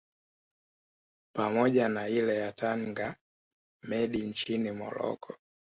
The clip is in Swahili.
pamoja na ile ya Tanger Med nchini Morocco